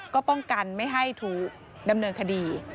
ก็ป้องกันไม่ให้ถูกดำเนินคดี